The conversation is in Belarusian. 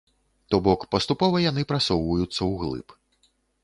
То бок, паступова яны прасоўваюцца ўглыб.